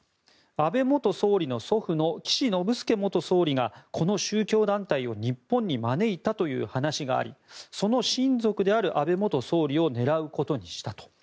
安倍元総理の祖父の岸信介元総理がこの宗教団体を日本に招いたという話がありその親族である安倍元総理を狙うことにしたと。